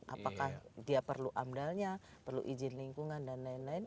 apakah dia perlu amdalnya perlu izin lingkungan dan lain lain